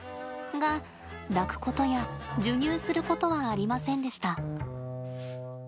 が、抱くことや授乳することはありませんでした。